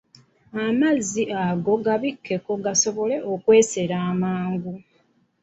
Amazzi ago gabikkeko gasobole okwesera amangu.